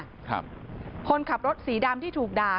ครับคนขับรถสีดำที่ถูกด่า